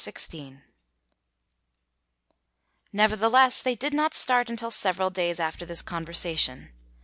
XVI Nevertheless, they did not start until several days after this conversation.